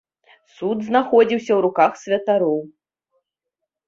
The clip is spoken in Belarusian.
Суд знаходзіўся ў руках святароў.